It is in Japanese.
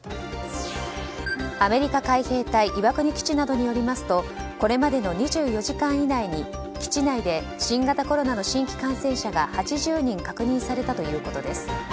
アメリカ海兵隊岩国基地などによりますとこれまでの２４時間以内に基地内で新型コロナの新規感染者が８０人確認されたということです。